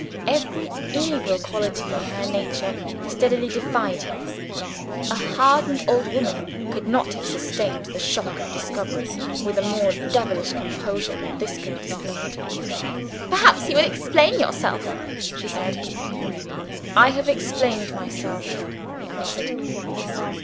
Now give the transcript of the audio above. Every evil quality in her nature steadily defied him. A hardened old woman could not have sustained the shock of discovery with a more devilish composure than this girl displayed. "Perhaps you will explain yourself," she said. "I have explained myself," he answered.